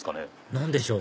何でしょう？